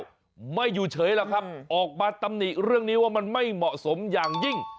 แล้วไม่อยู่เฉยหรอกครับออกมาตำหนิเรื่องนี้ว่ามันไม่เหมาะสมอย่างยิ่ง